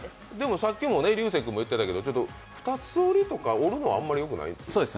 さっきも流星君言ってたけど、二つ折りとかあんまりよくないですか？